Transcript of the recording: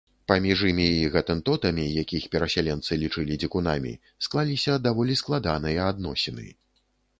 Паміж імі і гатэнтотамі, якіх перасяленцы лічылі дзікунамі, склаліся даволі складаныя адносіны.